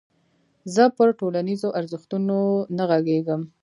زه پر ټولنيزو ارزښتونو نه غږېږم.